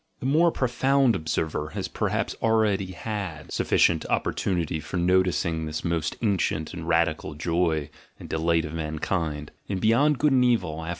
The more profound observer has per haps already had sufficient opportunity for noticing this most ancient and radical joy and delight of mankind; in Beyond Good and Evil, Aph.